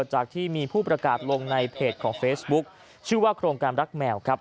จากที่มีผู้ประกาศลงในเพจของเฟซบุ๊คชื่อว่าโครงการรักแมวครับ